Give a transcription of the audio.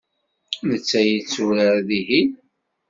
Netta yetturar dihin.